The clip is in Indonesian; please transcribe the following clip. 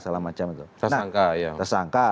salah macam itu tersangka ya tersangka